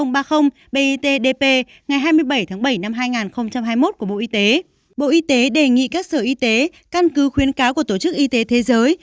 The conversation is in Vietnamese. bộ y tế đề nghị các sở y tế căn cứ khuyến cáo của tổ chức y tế thế giới